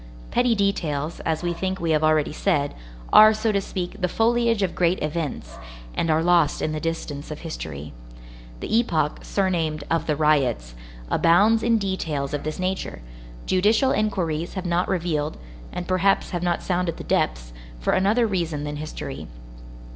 Petty details, as we think we have already said, are, so to speak, the foliage of great events, and are lost in the distance of history. The epoch, surnamed "of the riots," abounds in details of this nature. Judicial inquiries have not revealed, and perhaps have not sounded the depths, for another reason than history.